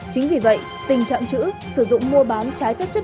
chính vì vậy tình trạng chữ sử dụng mua bán trái phép chất